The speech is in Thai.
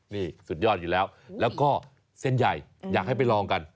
นี่สุดยอดอยู่แล้วแล้วก็เส้นใหญ่อยากให้ไปลองกัน